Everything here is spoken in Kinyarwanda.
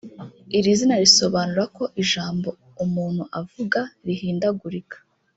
Iri zina risobanura ko ijambo umuntu avuga rihindagurika